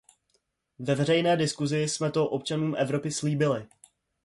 Ve veřejné diskusi jsme to občanům Evropy slíbili.